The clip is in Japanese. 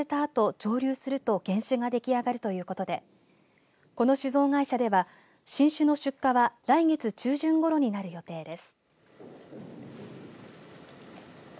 蒸留すると原酒ができ上がるということでこの酒造会社では新酒の出荷は来月中旬ごろになる予定です。